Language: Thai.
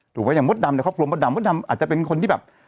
ถูกไหมฮะอย่างมดดำในครอบครัวมดดำมดดำอาจจะเป็นคนที่แบบ